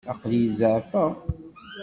Aql-i zeεfeɣ.